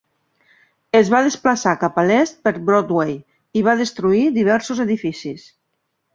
Es va desplaçar cap a l'est per Broadway i va destruir diversos edificis.